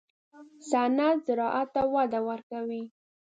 صنعت زراعت ته وده ورکوي